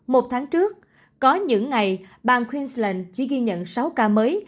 một tháng trước có những ngày bang queensland chỉ ghi nhận sáu ca mới